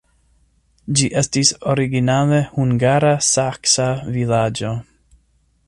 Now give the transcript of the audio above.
Ĝi estis originale hungara-saksa vilaĝo.